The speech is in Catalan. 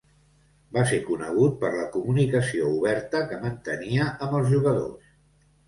Va ser conegut per la comunicació oberta que mantenia amb els jugadors.